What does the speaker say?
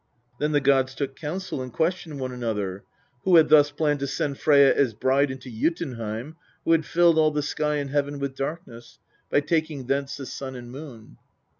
Then the gods took counsel, and questioned one another " who had thus planned to send Freyja as bride into Jotunheim, who had filled all the sky and heaven with darkness by taking thence the sun and moon